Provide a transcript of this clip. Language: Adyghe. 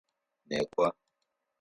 Некӏо!